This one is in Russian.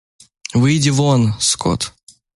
Выйди вон, скот.